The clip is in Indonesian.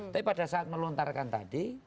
tapi pada saat melontarkan tadi